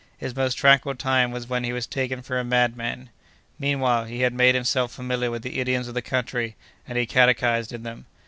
His most tranquil time was when he was taken for a madman. Meanwhile, he had made himself familiar with the idioms of the country, and he catechised in them.